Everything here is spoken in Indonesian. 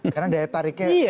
karena daya tariknya lebih kuat